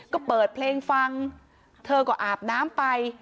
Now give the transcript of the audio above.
ก็เปิดเพลงฟังเธอก็อาบน้ำไป